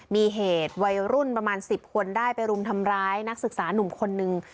มีเหตุวัยรุ่นประมาณ๑๐คนได้ไปรุมทำร้ายนักศึกษานุ่มคนนึง